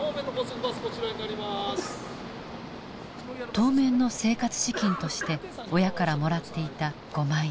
当面の生活資金として親からもらっていた５万円。